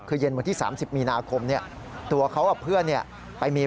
คือเย็นวันที่๓๐มีนาคมเนี่ยตัวเขากับเพื่อนไปมี